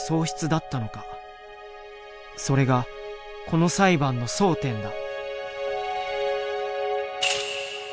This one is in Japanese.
それがこの裁判の争点だ。